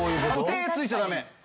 手をついちゃダメ！